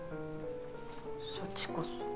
そっちこそ。